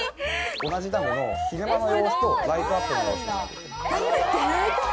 同じダムの昼間の様子とライトアップの様子になる。